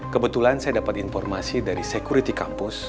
kebetulan saya dapat informasi dari security kampus